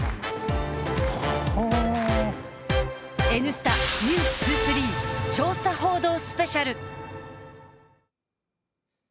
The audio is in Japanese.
「Ｎスタ×ｎｅｗｓ２３調査報道スペシャル」